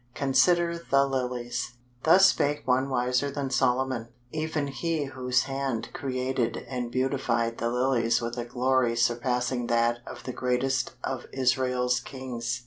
"CONSIDER THE LILIES." Thus spake one wiser than Solomon, even He whose hand created and beautified the Lilies with a glory surpassing that of the greatest of Israel's kings.